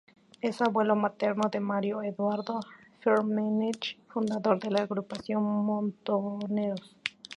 Es abuelo materno de Mario Eduardo Firmenich, fundador de la agrupación Montoneros.